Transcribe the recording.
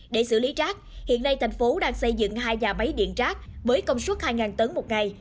để xử lý rác hiện nay thành phố đang xây dựng hai nhà máy điện rác với công suất hai tấn một ngày